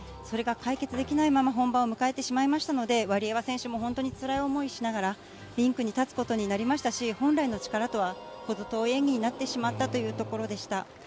それが解決できないまま本番を迎えてしまいましたので、ワリエワ選手も本当につらい思いしながら、リンクに立つことになりましたし、本来の力とは程遠い演技になってしまったというところでした。